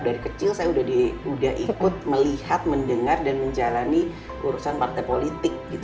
dari kecil saya udah ikut melihat mendengar dan menjalani urusan partai politik gitu